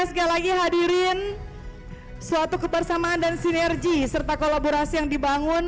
sekali lagi hadirin suatu kebersamaan dan sinergi serta kolaborasi yang dibangun